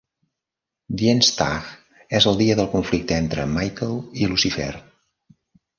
"Dienstag" és el dia del conflicte entre Michael i Lucifer.